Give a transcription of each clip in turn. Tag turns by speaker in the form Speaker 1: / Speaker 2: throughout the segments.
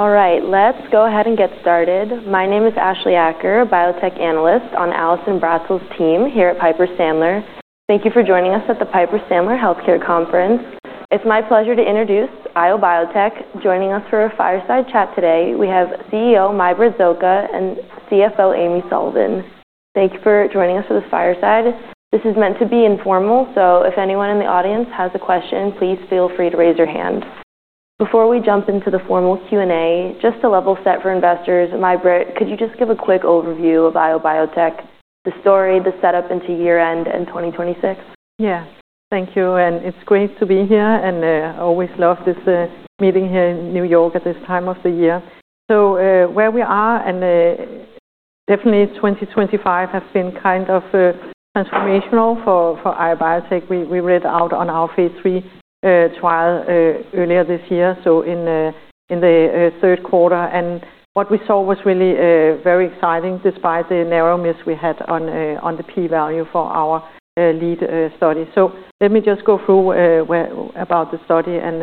Speaker 1: All right, let's go ahead and get started. My name is Ashleigh Acker, Biotech Analyst on Allison Bratzel's team here at Piper Sandler. Thank you for joining us at the Piper Sandler Healthcare Conference. It's my pleasure to introduce IO Biotech, joining us for a fireside chat today. We have CEO Mai-Britt Zocca and CFO Amy Sullivan. Thank you for joining us for this fireside. This is meant to be informal, so if anyone in the audience has a question, please feel free to raise your hand. Before we jump into the formal Q&A, just to level set for investors, Mai-Britt, could you just give a quick overview of IO Biotech, the story, the setup into year-end and 2026?
Speaker 2: Yeah, thank you, and it's great to be here, and I always love this meeting here in New York at this time of the year, so where we are, and definitely 2025 has been kind of transformational for IO Biotech. We read out on our Phase III trial earlier this year, so in the third quarter, and what we saw was really very exciting, despite the narrowness we had on the p-value for our lead study, so let me just go through about the study and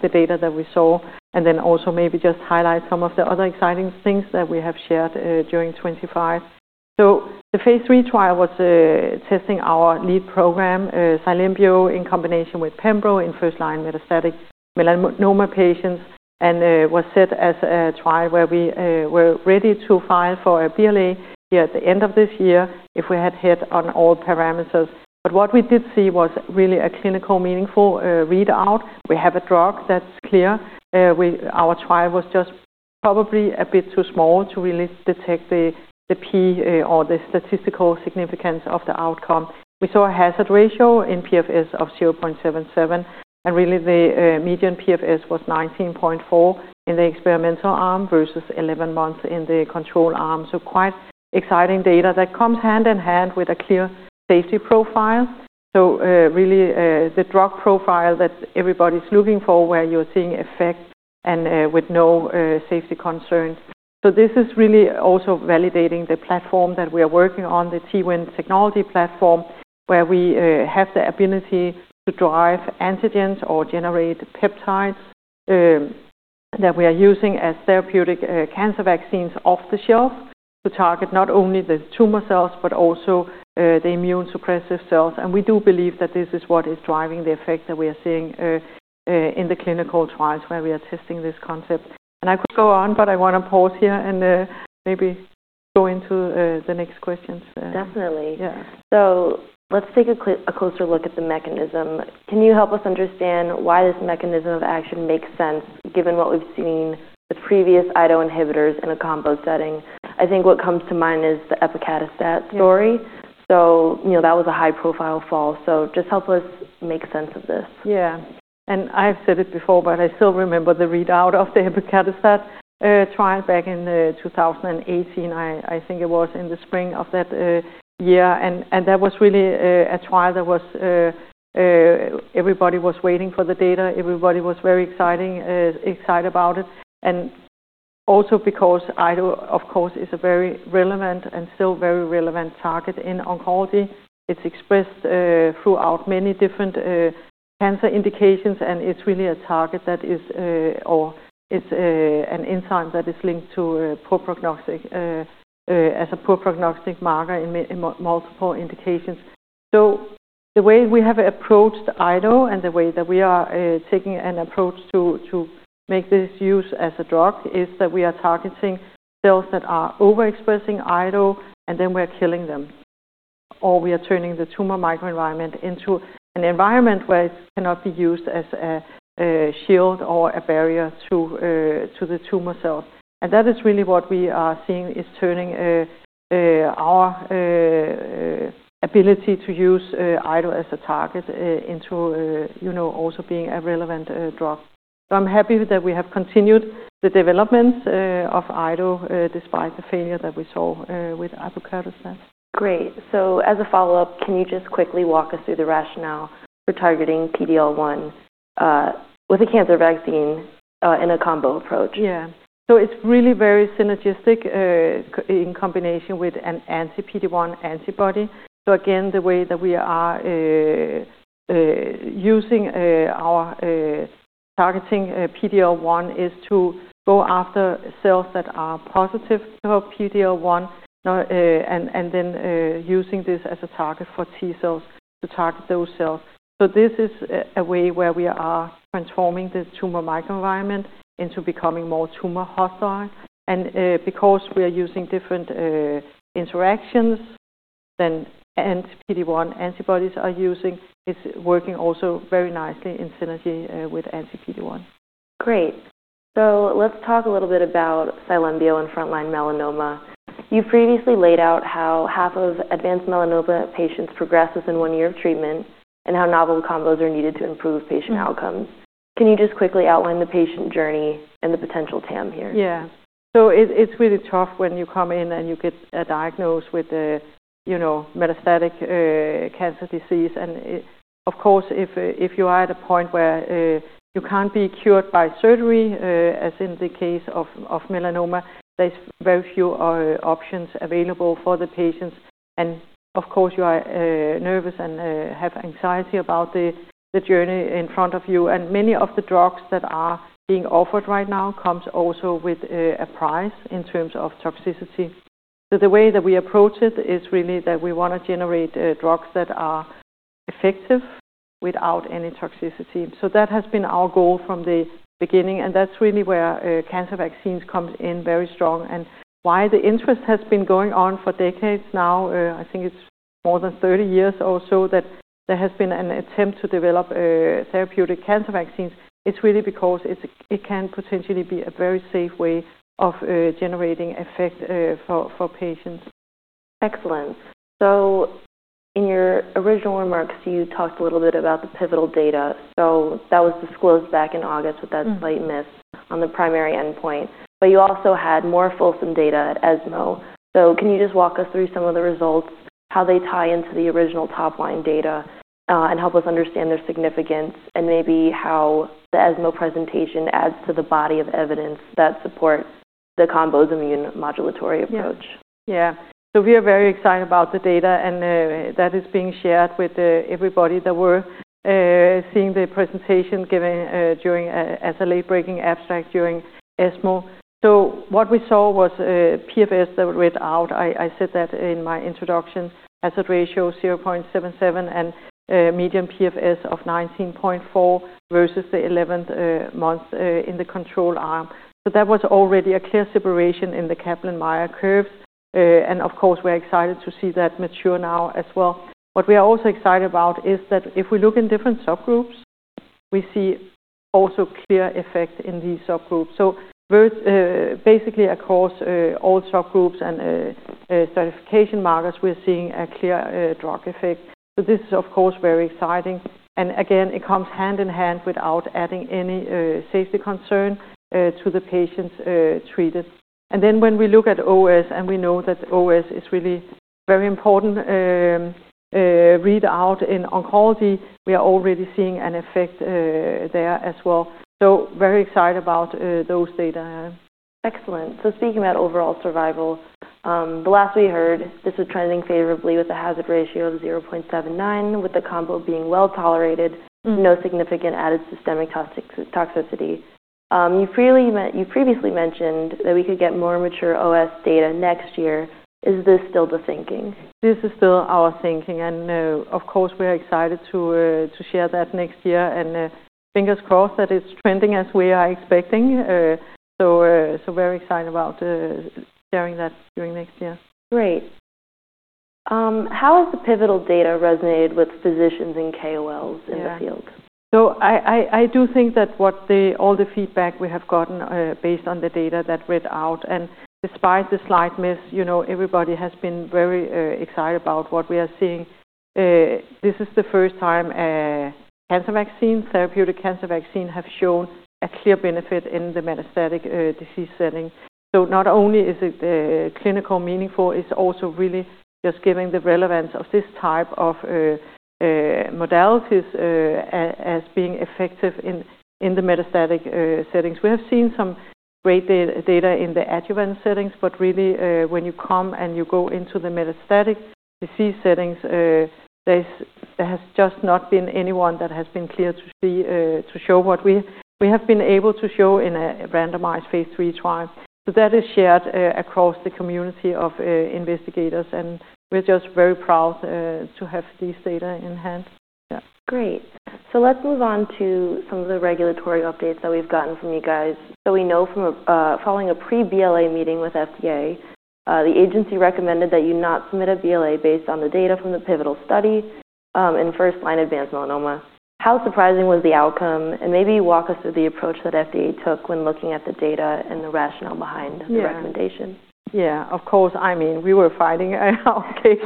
Speaker 2: the data that we saw, and then also maybe just highlight some of the other exciting things that we have shared during 2025. So the Phase III trial was testing our lead program, IO102-IO103 in combination with pembro in first-line metastatic melanoma patients, and was set as a trial where we were ready to file for a BLA here at the end of this year if we had hit on all parameters. But what we did see was really a clinically meaningful readout. We have a drug that's clear. Our trial was just probably a bit too small to really detect the p-value or the statistical significance of the outcome. We saw a hazard ratio in PFS of 0.77, and really the median PFS was 19.4 in the experimental arm versus 11 months in the control arm. So quite exciting data that comes hand in hand with a clear safety profile. So really the drug profile that everybody's looking for, where you're seeing effect and with no safety concerns. So this is really also validating the platform that we are working on, the T-win technology platform, where we have the ability to drive antigens or generate peptides that we are using as therapeutic cancer vaccines off the shelf to target not only the tumor cells, but also the immune suppressive cells. And we do believe that this is what is driving the effect that we are seeing in the clinical trials where we are testing this concept. And I could go on, but I want to pause here and maybe go into the next questions.
Speaker 1: Definitely. So let's take a closer look at the mechanism. Can you help us understand why this mechanism of action makes sense, given what we've seen with previous IDO inhibitors in a combo setting? I think what comes to mind is the epacadostat story. So that was a high-profile fall. So just help us make sense of this.
Speaker 2: Yeah. And I've said it before, but I still remember the readout of the epacadostat trial back in 2018. I think it was in the spring of that year. And that was really a trial that everybody was waiting for the data. Everybody was very excited about it. And also because IDO, of course, is a very relevant and still very relevant target in oncology. It's expressed throughout many different cancer indications, and it's really a target that is, or it's an enzyme that is linked to poor prognosis as a poor prognostic marker in multiple indications. So the way we have approached IDO and the way that we are taking an approach to make this use as a drug is that we are targeting cells that are overexpressing IDO, and then we're killing them. Or we are turning the tumor microenvironment into an environment where it cannot be used as a shield or a barrier to the tumor cells. And that is really what we are seeing is turning our ability to use IDO as a target into also being a relevant drug. So I'm happy that we have continued the developments of IDO despite the failure that we saw with epacadostat.
Speaker 1: Great. So as a follow-up, can you just quickly walk us through the rationale for targeting PD-L1 with a cancer vaccine in a combo approach?
Speaker 2: Yeah. So it's really very synergistic in combination with an anti-PD-1 antibody. So again, the way that we are using our targeting PD-L1 is to go after cells that are positive for PD-L1 and then using this as a target for T cells to target those cells. So this is a way where we are transforming the tumor microenvironment into becoming more tumor hostile. And because we are using different interactions than anti-PD-1 antibodies are using, it's working also very nicely in synergy with anti-PD-1.
Speaker 1: Great. So let's talk a little bit about IO102-IO103 and frontline melanoma. You previously laid out how half of advanced melanoma patients progress within one year of treatment and how novel combos are needed to improve patient outcomes. Can you just quickly outline the patient journey and the potential TAM here?
Speaker 2: Yeah. So it's really tough when you come in and you get diagnosed with metastatic cancer disease. And of course, if you are at a point where you can't be cured by surgery, as in the case of melanoma, there's very few options available for the patients. And of course, you are nervous and have anxiety about the journey in front of you. And many of the drugs that are being offered right now come also with a price in terms of toxicity. So the way that we approach it is really that we want to generate drugs that are effective without any toxicity. So that has been our goal from the beginning. And that's really where cancer vaccines come in very strong. Why the interest has been going on for decades now, I think it's more than 30 years or so, that there has been an attempt to develop therapeutic cancer vaccines. It's really because it can potentially be a very safe way of generating effect for patients.
Speaker 1: Excellent. So in your original remarks, you talked a little bit about the pivotal data. So that was disclosed back in August with that slight miss on the primary endpoint. But you also had more fulsome data at ESMO. So can you just walk us through some of the results, how they tie into the original top-line data, and help us understand their significance, and maybe how the ESMO presentation adds to the body of evidence that supports the combo's immune modulatory approach?
Speaker 2: Yeah. We are very excited about the data, and that is being shared with everybody that were seeing the presentation during ESMO as a late-breaking abstract. What we saw was PFS that we read out. I said that in my introduction, hazard ratio 0.77 and median PFS of 19.4 versus the 11th month in the control arm. That was already a clear separation in the Kaplan-Meier curves, and of course, we're excited to see that mature now as well. What we are also excited about is that if we look in different subgroups, we see also clear effect in these subgroups. Basically, across all subgroups and stratification markers, we're seeing a clear drug effect. This is, of course, very exciting, and again, it comes hand in hand without adding any safety concern to the patients treated. And then when we look at OS, and we know that OS is really a very important readout in oncology, we are already seeing an effect there as well. So very excited about those data.
Speaker 1: Excellent, so speaking about overall survival, the last we heard, this is trending favorably with a hazard ratio of 0.79, with the combo being well tolerated, no significant added systemic toxicity. You previously mentioned that we could get more mature OS data next year. Is this still the thinking?
Speaker 2: This is still our thinking. And of course, we are excited to share that next year. And fingers crossed that it's trending as we are expecting. So very excited about sharing that during next year.
Speaker 1: Great. How has the pivotal data resonated with physicians and KOLs in the field?
Speaker 2: So I do think that all the feedback we have gotten based on the data that read out, and despite the slight miss, everybody has been very excited about what we are seeing. This is the first time a cancer vaccine, therapeutic cancer vaccine, has shown a clear benefit in the metastatic disease setting. So not only is it clinically meaningful, it's also really just giving the relevance of this type of modalities as being effective in the metastatic settings. We have seen some great data in the adjuvant settings, but really, when you come and you go into the metastatic disease settings, there has just not been anyone that has been clear to show what we have been able to show in a randomized Phase III trial. So that is shared across the community of investigators. And we're just very proud to have these data in hand.
Speaker 1: Great. So let's move on to some of the regulatory updates that we've gotten from you guys. So we know from following a pre-BLA meeting with FDA, the agency recommended that you not submit a BLA based on the data from the pivotal study in first-line advanced melanoma. How surprising was the outcome? And maybe walk us through the approach that FDA took when looking at the data and the rationale behind the recommendation.
Speaker 2: Yeah. Of course, I mean, we were fighting our case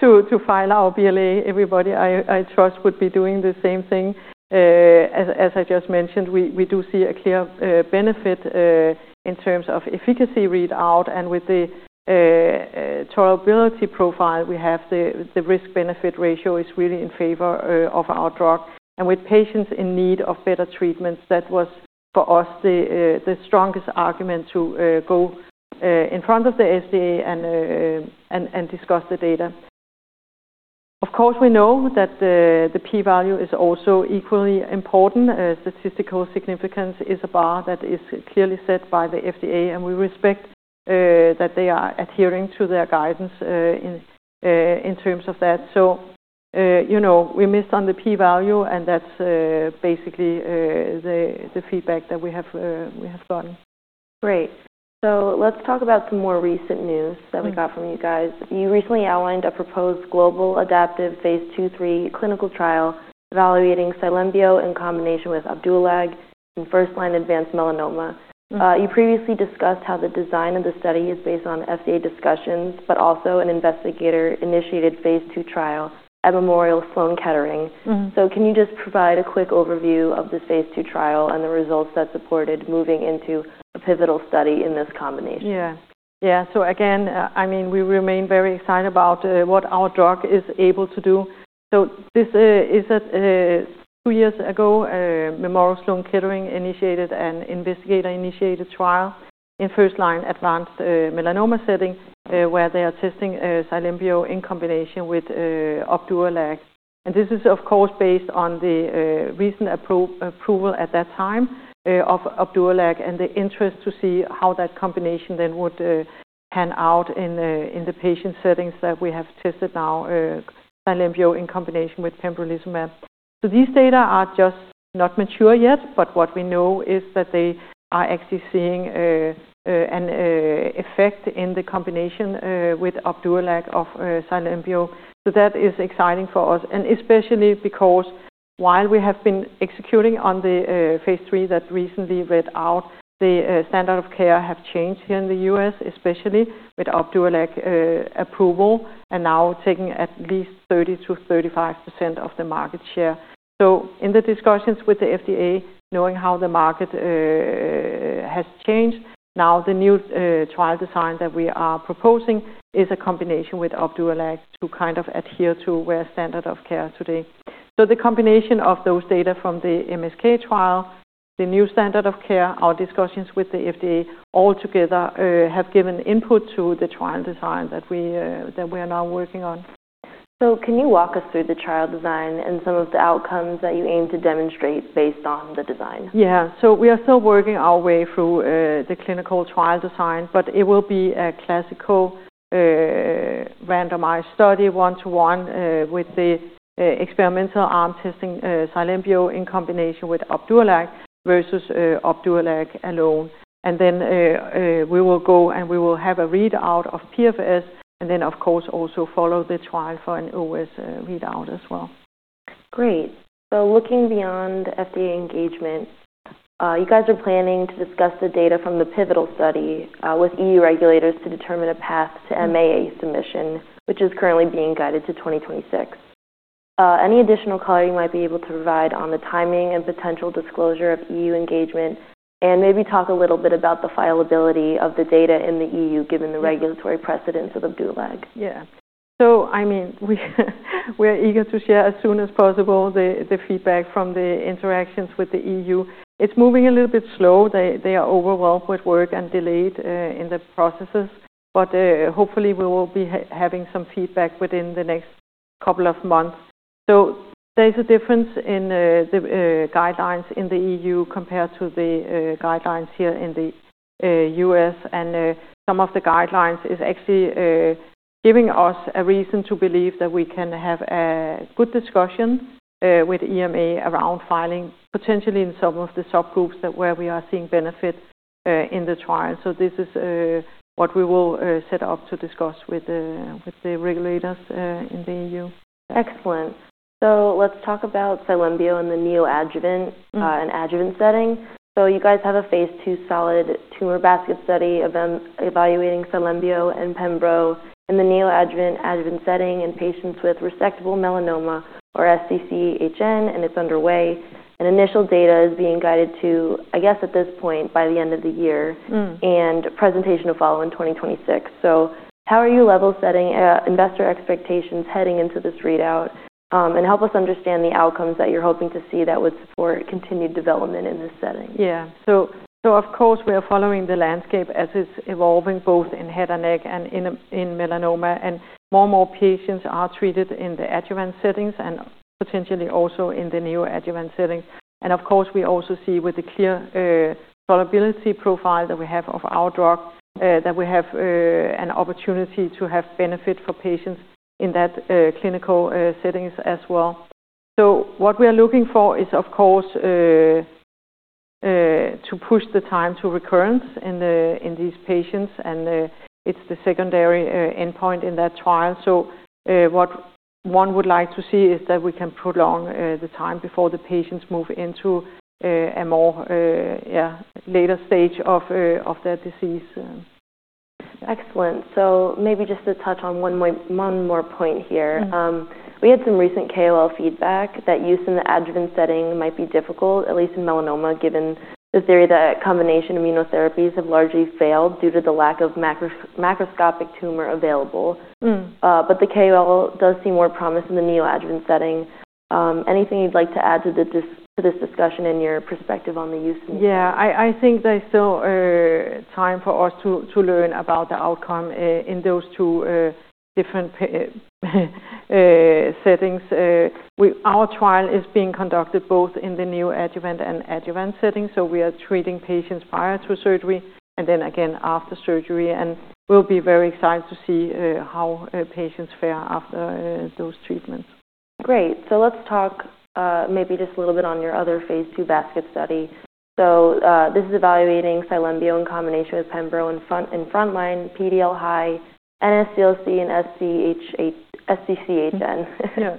Speaker 2: to file our BLA. Everybody I trust would be doing the same thing. As I just mentioned, we do see a clear benefit in terms of efficacy readout. And with the tolerability profile we have, the risk-benefit ratio is really in favor of our drug. And with patients in need of better treatments, that was, for us, the strongest argument to go in front of the FDA and discuss the data. Of course, we know that the p-value is also equally important. Statistical significance is a bar that is clearly set by the FDA, and we respect that they are adhering to their guidance in terms of that. So we missed on the p-value, and that's basically the feedback that we have gotten.
Speaker 1: Great. So let's talk about some more recent news that we got from you guys. You recently outlined a proposed global adaptive Phase II/III clinical trial evaluating IO102-IO103 in combination with Opdualag in first-line advanced melanoma. You previously discussed how the design of the study is based on FDA discussions, but also an investigator-initiated Phase II trial at Memorial Sloan Kettering. So can you just provide a quick overview of the Phase II trial and the results that supported moving into a pivotal study in this combination?
Speaker 2: Yeah. Yeah. So again, I mean, we remain very excited about what our drug is able to do. So this is a two years ago, Memorial Sloan Kettering-initiated and investigator-initiated trial in first-line advanced melanoma setting where they are testing IO102-IO103 in combination with Opdualag. And this is, of course, based on the recent approval at that time of Opdualag and the interest to see how that combination then would pan out in the patient settings that we have tested now, IO102-IO103 in combination with pembrolizumab. So these data are just not mature yet, but what we know is that they are actually seeing an effect in the combination with Opdualag of IO102-IO103. So that is exciting for us, and especially because while we have been executing on the Phase III that recently read out, the standard of care has changed here in the US, especially with Opdualag approval, and now taking at least 30%-35% of the market share. So in the discussions with the FDA, knowing how the market has changed, now the new trial design that we are proposing is a combination with Opdualag to kind of adhere to where standard of care today. So the combination of those data from the MSK trial, the new standard of care, our discussions with the FDA all together have given input to the trial design that we are now working on.
Speaker 1: Can you walk us through the trial design and some of the outcomes that you aim to demonstrate based on the design?
Speaker 2: We are still working our way through the clinical trial design, but it will be a classic randomized study one-to-one with the experimental arm testing IO102-IO103 in combination with Opdualag versus Opdualag alone. We will go and we will have a readout of PFS, and then, of course, also follow the trial for an OS readout as well.
Speaker 1: Great. So looking beyond FDA engagement, you guys are planning to discuss the data from the pivotal study with EU regulators to determine a path to MAA submission, which is currently being guided to 2026. Any additional color you might be able to provide on the timing and potential disclosure of EU engagement, and maybe talk a little bit about the viability of the data in the EU given the regulatory precedence of Opdualag?
Speaker 2: Yeah. So I mean, we are eager to share as soon as possible the feedback from the interactions with the EU. It's moving a little bit slow. They are overwhelmed with work and delayed in the processes. But hopefully, we will be having some feedback within the next couple of months. So there is a difference in the guidelines in the EU compared to the guidelines here in the US. And some of the guidelines are actually giving us a reason to believe that we can have a good discussion with EMA around filing potentially in some of the subgroups where we are seeing benefit in the trial. So this is what we will set up to discuss with the regulators in the EU.
Speaker 1: Excellent. So let's talk about IO102-IO103 in the neoadjuvant and adjuvant setting. So you guys have a phase two solid tumor basket study evaluating IO102-IO103 and pembro in the neoadjuvant adjuvant setting in patients with resectable melanoma or SCCHN, and it's underway. And initial data is being guided to, I guess at this point, by the end of the year, and presentation will follow in 2026. So how are you level-setting investor expectations heading into this readout? And help us understand the outcomes that you're hoping to see that would support continued development in this setting.
Speaker 2: Yeah. So of course, we are following the landscape as it's evolving both in head and neck and in melanoma. And more and more patients are treated in the adjuvant settings and potentially also in the neoadjuvant setting. And of course, we also see with the clear tolerability profile that we have of our drug that we have an opportunity to have benefit for patients in that clinical settings as well. So what we are looking for is, of course, to push the time to recurrence in these patients. And it's the secondary endpoint in that trial. So what one would like to see is that we can prolong the time before the patients move into a more later stage of their disease.
Speaker 1: Excellent. So maybe just to touch on one more point here. We had some recent KOL feedback that use in the adjuvant setting might be difficult, at least in melanoma, given the theory that combination immunotherapies have largely failed due to the lack of macroscopic tumor available. But the KOL does see more promise in the neoadjuvant setting. Anything you'd like to add to this discussion and your perspective on the use?
Speaker 2: Yeah. I think there's still time for us to learn about the outcome in those two different settings. Our trial is being conducted both in the neoadjuvant and adjuvant settings, so we are treating patients prior to surgery and then again after surgery, and we'll be very excited to see how patients fare after those treatments.
Speaker 1: Great. So let's talk maybe just a little bit on your other phase two basket study. So this is evaluating IO102-IO103 in combination with Pembro in front-line PD-L1 high, NSCLC, and SCCHN.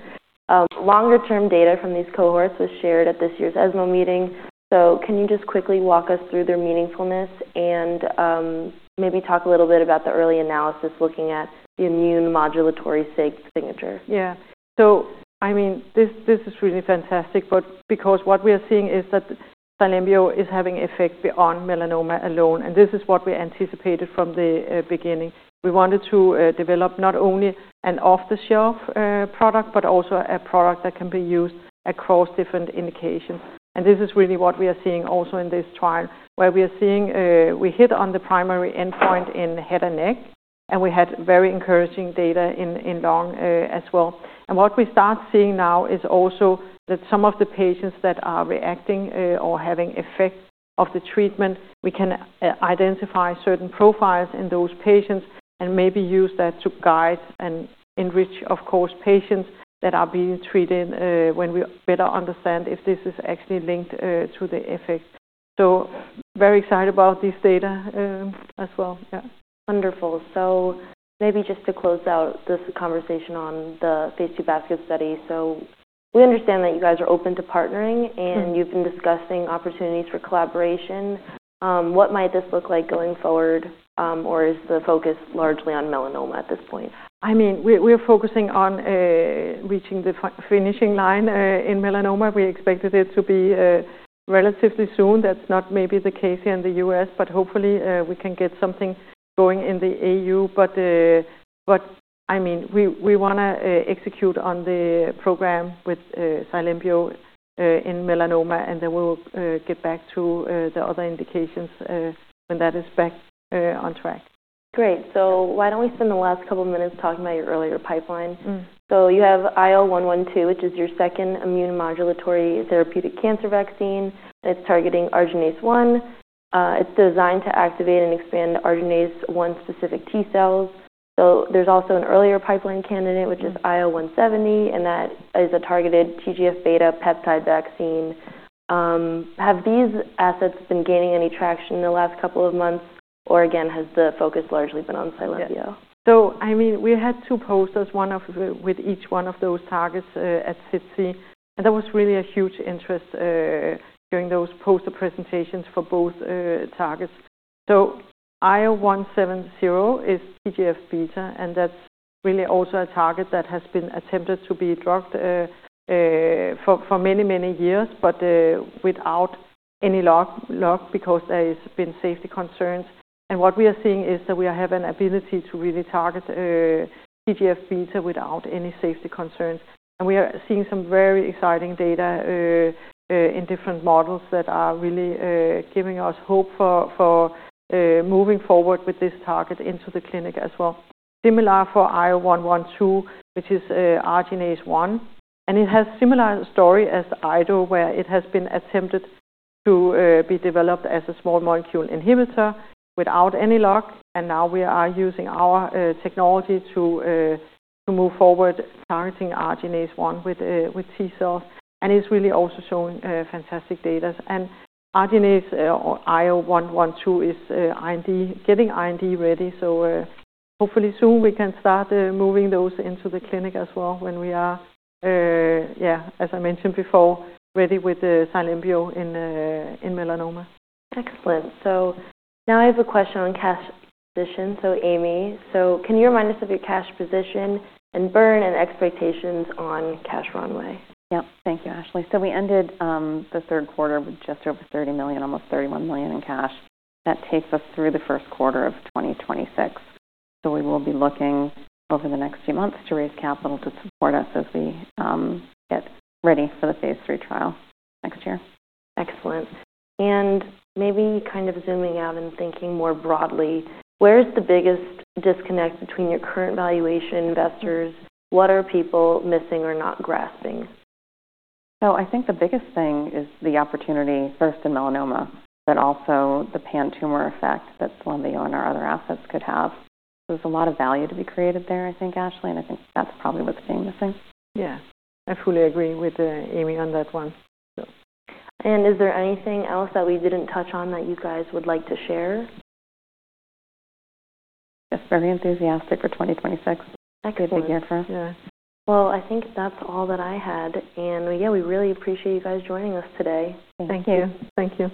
Speaker 1: Longer-term data from these cohorts was shared at this year's ESMO meeting. So can you just quickly walk us through their meaningfulness and maybe talk a little bit about the early analysis looking at the immune modulatory signature?
Speaker 2: Yeah. So I mean, this is really fantastic. But because what we are seeing is that IO102-IO103 is having effect beyond melanoma alone. And this is what we anticipated from the beginning. We wanted to develop not only an off-the-shelf product, but also a product that can be used across different indications. And this is really what we are seeing also in this trial where we are seeing we hit on the primary endpoint in head and neck, and we had very encouraging data in lung as well. And what we start seeing now is also that some of the patients that are reacting or having effect of the treatment, we can identify certain profiles in those patients and maybe use that to guide and enrich, of course, patients that are being treated when we better understand if this is actually linked to the effect. So very excited about this data as well. Yeah.
Speaker 1: Wonderful. So maybe just to close out this conversation on the Phase II basket study. So we understand that you guys are open to partnering, and you've been discussing opportunities for collaboration. What might this look like going forward, or is the focus largely on melanoma at this point?
Speaker 2: I mean, we are focusing on reaching the finishing line in melanoma. We expected it to be relatively soon. That's not maybe the case here in the US, but hopefully, we can get something going in the EU. But I mean, we want to execute on the program with IO102-IO103 in melanoma, and then we'll get back to the other indications when that is back on track.
Speaker 1: Great. So why don't we spend the last couple of minutes talking about your earlier pipeline? So you have IO112, which is your second immune modulatory therapeutic cancer vaccine. It's targeting Arginase 1. It's designed to activate and expand Arginase 1-specific T cells. So there's also an earlier pipeline candidate, which is IO170, and that is a targeted TGF-beta peptide vaccine. Have these assets been gaining any traction in the last couple of months, or again, has the focus largely been on IO102-IO103?
Speaker 2: Yeah. So I mean, we had two posters, one with each one of those targets at SITC. And there was really a huge interest during those poster presentations for both targets. So IO170 is TGF-beta, and that's really also a target that has been attempted to be drugged for many, many years, but without any luck because there have been safety concerns. And what we are seeing is that we have an ability to really target TGF-beta without any safety concerns. And we are seeing some very exciting data in different models that are really giving us hope for moving forward with this target into the clinic as well. Similar for IO112, which is Arginase 1. And it has a similar story as IDO, where it has been attempted to be developed as a small molecule inhibitor without any luck. Now we are using our technology to move forward targeting Arginase 1 with T cells. It's really also shown fantastic data. IO112 is getting IND ready. Hopefully soon we can start moving those into the clinic as well when we are, yeah, as I mentioned before, ready with IO102-IO103 in melanoma.
Speaker 1: Excellent. So now I have a question on cash position. So Amy, so can you remind us of your cash position and burn and expectations on cash runway?
Speaker 3: Yep. Thank you, Ashleigh. So we ended the third quarter with just over $30 million, almost $31 million in cash. That takes us through the first quarter of 2026. So we will be looking over the next few months to raise capital to support us as we get ready for the Phase III trial next year.
Speaker 1: Excellent. And maybe kind of zooming out and thinking more broadly, where is the biggest disconnect between your current valuation and investors? What are people missing or not grasping?
Speaker 3: So I think the biggest thing is the opportunity first in melanoma, but also the pan-tumor effect that IO102-IO103 and our other assets could have. So there's a lot of value to be created there, I think, Ashleigh. And I think that's probably what's being missing.
Speaker 2: Yeah. I fully agree with Amy on that one.
Speaker 1: Is there anything else that we didn't touch on that you guys would like to share?
Speaker 3: Just very enthusiastic for 2026.
Speaker 1: Excellent.
Speaker 3: It's going to be a big year for us.
Speaker 1: I think that's all that I had. Yeah, we really appreciate you guys joining us today.
Speaker 3: Thank you.
Speaker 1: Thank you.